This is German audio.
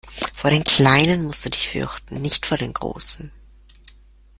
Vor den kleinen musst du dich fürchten, nicht vor den großen!